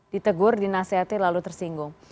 ditegur dinasehati lalu tersinggung